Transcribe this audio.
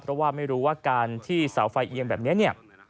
เพราะว่าไม่รู้ว่าการที่เสาไฟเอียงแบบนี้เนี่ย